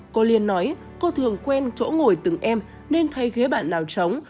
cô liên nói cô thường quen chỗ ngồi từng em nên thấy ghế bạn nào trống